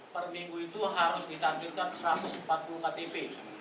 per minggu itu harus ditakjurkan satu ratus empat puluh ktp